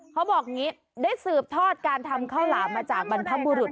เขาบอกอย่างนี้ได้สืบทอดการทำข้าวหลามมาจากบรรพบุรุษ